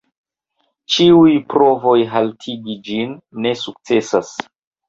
Ĉiuj provoj haltigi ĝin ne sukcesas.